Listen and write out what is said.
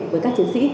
với các chiến sĩ